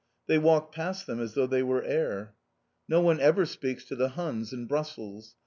They walked past them as though they were air. No one ever speaks to the Huns in Brussels.